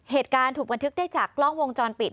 เหตุการณ์ถูกบันทึกได้จากกล้องวงจรปิด